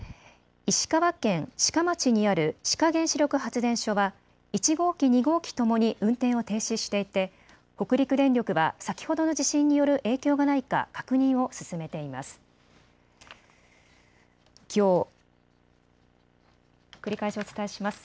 石川県志賀町にある志賀原子力発電所は１号機、２号機ともに運転を停止していて北陸電力は先ほどの地震による影響がないか確認を進めています。